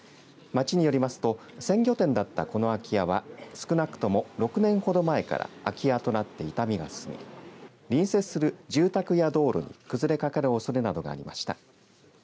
町によりますと鮮魚店だったこの空き家は少なくとも６年ほど前から空き家となって傷みが進み隣接する住宅や道路に崩れかかるおそれなどがありました。